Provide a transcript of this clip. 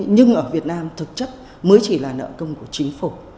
nhưng ở việt nam thực chất mới chỉ là nợ công của chính phủ